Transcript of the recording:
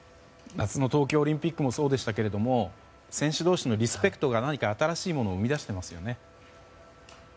夏の東京オリンピックもそうでしたが選手同士のリスペクトが新しいものを生み出していますよね。